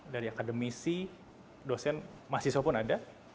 dari akademisi dosen mahasiswa pun ada